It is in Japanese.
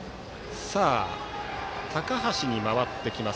高橋に回ってきます。